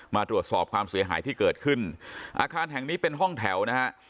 มาตรวจสอบความเสียหายที่เกิดขึ้นอาคารแห่งนี้เป็นห้องแถวนะฮะ